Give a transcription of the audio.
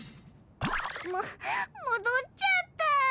ももどっちゃった。